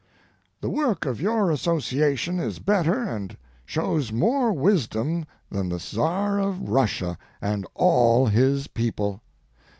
The work of your association is better and shows more wisdom than the Czar of Russia and all his people.